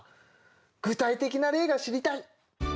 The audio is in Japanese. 具体的な例が知りたい。